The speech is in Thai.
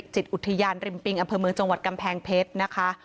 จิตอุทยานริมปิงอำเภอเมืองจังหวัดกำแพงเพชรนะคะ